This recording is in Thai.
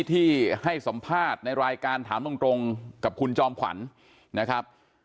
ที่ให้สัมภาษณ์ในรายการถามตรงกับคุณจอมขวัญนะครับ